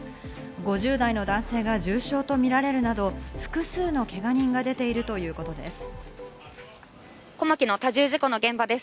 ５０代の男性が重傷とみられるなど、複数のけが人が出ているということです。